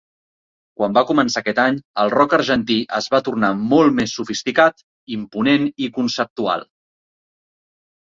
Quan va començar aquest any, el rock argentí es va tornar molt més sofisticat, imponent i conceptual.